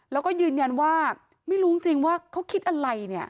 แล้วก็ยืนยันว่าไม่รู้จริงว่าเขาคิดอะไรเนี่ย